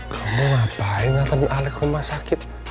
kamu ngapain anterin alex ke rumah sakit